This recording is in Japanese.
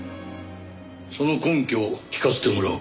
その根拠を聞かせてもらおう。